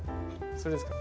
それですか？